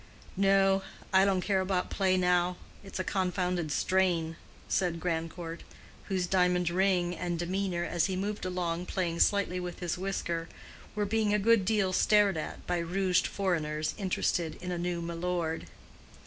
"No; I don't care about play now. It's a confounded strain," said Grandcourt, whose diamond ring and demeanor, as he moved along playing slightly with his whisker, were being a good deal stared at by rouged foreigners interested in a new milord.